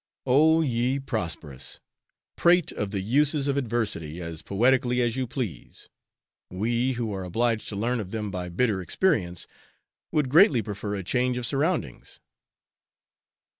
Oh! ye prosperous! prate of the uses of adversity as poetically as you please, we who are obliged to learn of them by bitter experience would greatly prefer a change of surroundings.